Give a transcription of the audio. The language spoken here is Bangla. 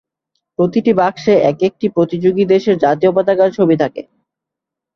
প্রতিটি বাক্সে এক একটি প্রতিযোগী দেশের জাতীয় পতাকার ছবি থাকে।